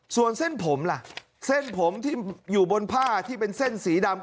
ส่วนเส้นผมล่ะเส้นผมที่อยู่บนผ้าที่เป็นเส้นสีดำ